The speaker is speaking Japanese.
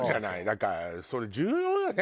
だからそれ重要よね。